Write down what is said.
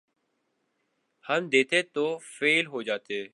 ہم دیتے تو فیل ہو جاتے